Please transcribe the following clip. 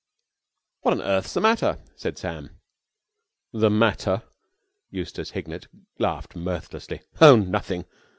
"What on earth's the matter?" said Sam. "The matter?" Eustace Hignett laughed mirthlessly. "Oh, nothing.